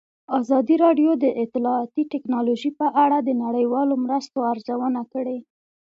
ازادي راډیو د اطلاعاتی تکنالوژي په اړه د نړیوالو مرستو ارزونه کړې.